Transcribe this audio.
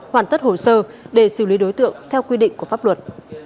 hoàn tất hồ sơ để xử lý đối tượng theo quy định của pháp luật